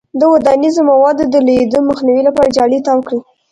د ودانیزو موادو د لویدو مخنیوي لپاره جالۍ تاو کړئ.